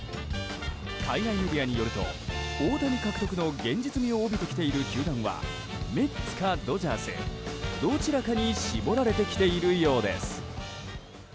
海外メディアによると大谷獲得の現実味を帯びてきている球団はメッツかドジャースどちらかに絞られてきているようです。